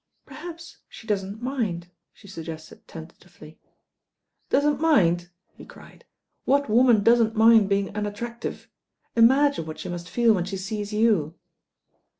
"Perhaps she doesn't mind," she stjggested ten tatively. "Doesn't mind?" he cried. "V'hat woman doesn't mind being unattractive ? Imagine what she must feel when she sees you."